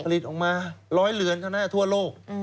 ผลิตออกมาร้อยเหลือนเท่านั้นทั่วโลก